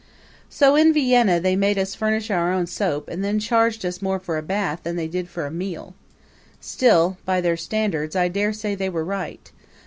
So in Vienna they made us furnish our own soap and then charged us more for a bath than they did for a meal. Still, by their standards, I dare say they were right.